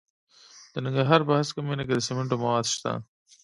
د ننګرهار په هسکه مینه کې د سمنټو مواد شته.